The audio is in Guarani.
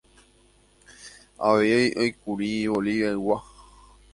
Avei oĩkuri Boliviaygua.